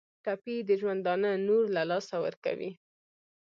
ټپي د ژوندانه نور له لاسه ورکوي.